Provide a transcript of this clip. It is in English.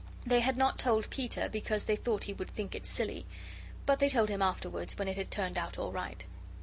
They had not told Peter because they thought he would think it silly. But they told him afterwards, when it had turned out all right.